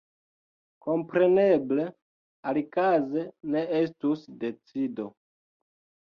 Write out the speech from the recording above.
Kompreneble, alikaze ne estus decido.